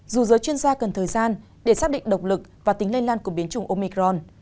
dù giới chuyên gia cần thời gian để xác định độc lực và tính lây lan của biến chủng omicron